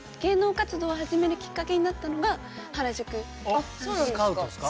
あっそうなんですか？